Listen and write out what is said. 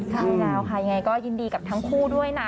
ใช่แล้วค่ะยังไงก็ยินดีกับทั้งคู่ด้วยนะ